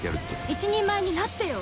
一人前になってよ！